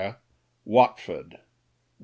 WATFORD, WEDN.